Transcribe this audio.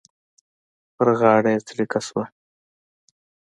په غاړه یې څړيکه شوه.